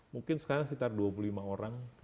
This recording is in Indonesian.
mungkin sekarang sekitar dua puluh lima orang